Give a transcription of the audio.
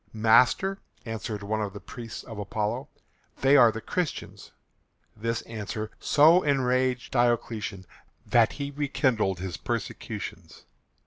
"Master," answered one of the priests of Apollo, "they are the Christians." This answer so enraged Diocletian that he rekindled his persecutions.